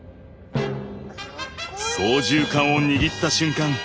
操縦かんを握った瞬間